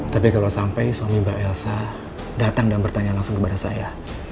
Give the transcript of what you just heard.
tapi kalau sampai suami mbak elsa datang dan bertanya langsung kepada saya